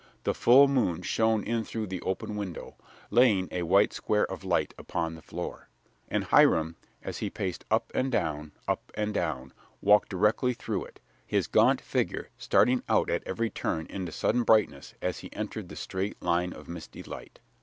The full moon shone in through the open window, laying a white square of light upon the floor, and Hiram, as he paced up and down, up and down, walked directly through it, his gaunt figure starting out at every turn into sudden brightness as he entered the straight line of misty light.